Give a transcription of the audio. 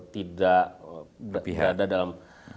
tidak berada dalam